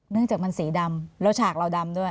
เนื่องจากมันสีดำแล้วฉากเราดำด้วย